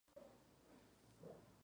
Es sede del condado de Columbus.